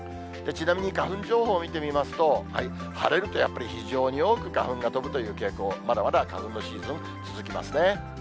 ちなみに、花粉情報を見てみますと、晴れるとやっぱり非常に多く花粉が飛ぶという傾向、まだまだ花粉のシーズン、続きますね。